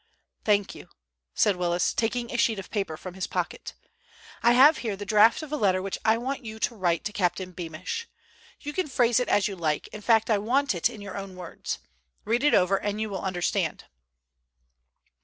"Thank you," said Willis, taking a sheet of paper from his pocket. "I have here the draft of a letter which I want you to write to Captain Beamish. You can phrase it as you like; in fact I want it in your own words. Read it over and you will understand."